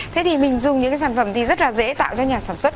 thế thì mình dùng những cái sản phẩm thì rất là dễ tạo cho nhà sản xuất